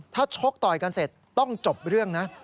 ถ้าชกต่อยกันเสร็จต้องจบเรื่องนะ